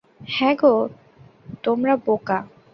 হাঁ গো, তোমরা বোকা!